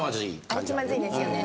あれ気まずいですよね。